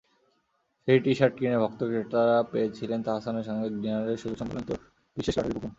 সেই টি-শার্ট কিনে ভক্ত-ক্রেতারা পেয়েছিলেন তাহসানের সঙ্গে ডিনারের সুযোগসংবলিত বিশেষ লটারির কুপন।